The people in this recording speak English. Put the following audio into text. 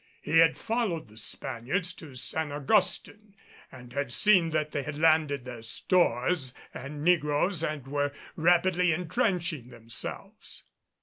He had followed the Spaniards to San Augustin and had seen that they had landed their stores and negroes and were rapidly entrenching themselves.